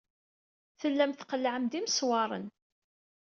Tellam tqellɛem-d imesmaṛen.